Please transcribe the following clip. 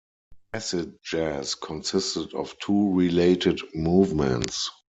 Acid jazz consisted of two related movements.